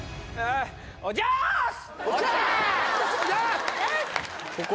・おじゃす！